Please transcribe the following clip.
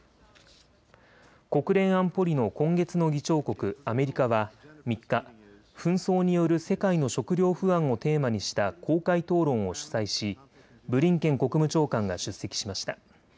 国連安保理の今月の議長国、アメリカは３日、紛争による世界の食料不安をテーマにした公開討論を主催しブリンケン国務長官が出席しました。